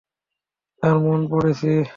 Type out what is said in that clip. তার মন পড়েছি।